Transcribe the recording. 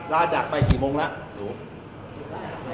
ล้าจากไปกี่โมงแหละ